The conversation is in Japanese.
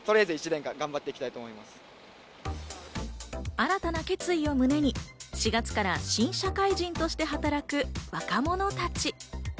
新たな決意を胸に４月から新社会人として働く若者たち。